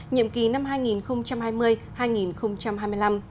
nhiệm kỳ năm hai nghìn hai mươi hai nghìn hai mươi năm